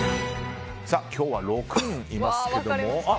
今日は６人いますけれども。